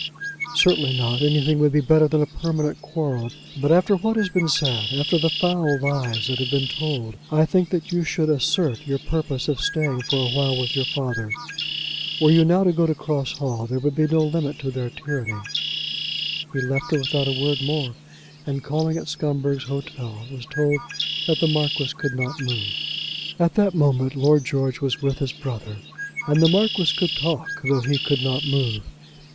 "Certainly not. Anything would be better than a permanent quarrel. But, after what has been said, after the foul lies that have been told, I think that you should assert your purpose of staying for awhile with your father. Were you now to go to Cross Hall there would be no limit to their tyranny." He left her without a word more, and calling at Scumberg's Hotel was told that the Marquis could not move. At that moment Lord George was with his brother, and the Marquis could talk though he could not move.